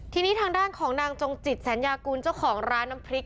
ทีนี้ทางด้านของนางจงจิตสัญญากูลเจ้าของร้านน้ำพริก